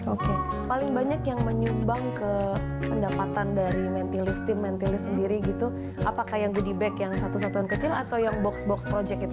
oke paling banyak yang menyumbang ke pendapatan dari mentilis team mentilly sendiri gitu apakah yang goodie bag yang satu satuan kecil atau yang box box project itu